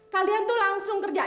kalian tuh langsung kerja